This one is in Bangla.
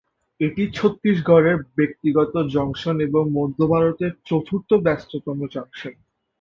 এটি ছত্তিশগড়ের ব্যস্ততম জংশন এবং মধ্য ভারতের চতুর্থ ব্যস্ততম জংশন।